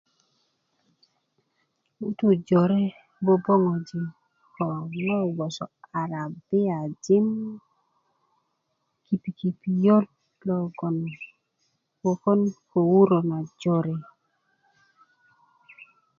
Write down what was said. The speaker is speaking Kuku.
ŋutu jöre böböŋöji ko ŋo bgeti arabiajin pikpikiö logon wökön ko wökon ko wurö jöre